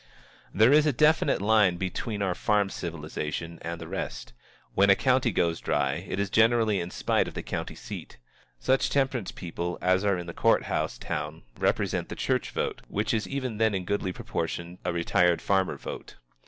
There is a definite line between our farm civilization and the rest. When a county goes dry, it is generally in spite of the county seat. Such temperance people as are in the court house town represent the church vote, which is even then in goodly proportion a retired farmer vote.